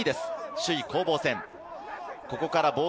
首位攻防戦。